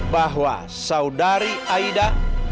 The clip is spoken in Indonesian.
bahwa saudari aida